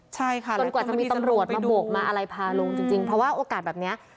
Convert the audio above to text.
ใช่ค่ะจนกว่าจะมีตำรวจมาโบกมาอะไรพาลุงจริงเพราะว่าโอกาสแบบนี้